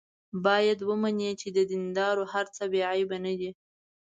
باید ومني چې د دیندارو هر څه بې عیبه نه دي.